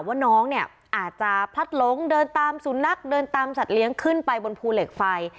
ว่าน้องเนี่ยอาจจะพลัดหลงเดินตามสุนัขเดินตามสัตว์เลี้ยงขึ้นไปบนภูเหล็กไฟ